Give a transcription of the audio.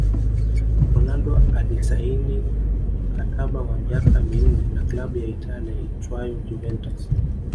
Ronaldo alisaini mkataba wa miaka minne na klabu ya Italia iitwayo Juventus